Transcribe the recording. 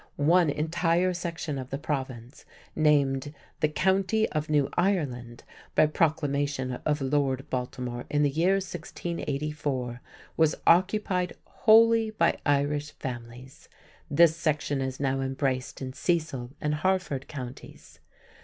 One entire section of the Province, named the "County of New Ireland" by proclamation of Lord Baltimore in the year 1684, was occupied wholly by Irish families. This section is now embraced in Cecil and Harford Counties.